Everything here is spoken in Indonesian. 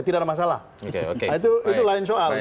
tidak ada masalah itu lain soal